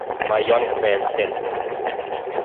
My young friend, stand forth!